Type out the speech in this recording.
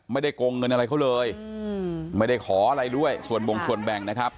โกงเงินอะไรเขาเลยไม่ได้ขออะไรด้วยส่วนบงส่วนแบ่งนะครับ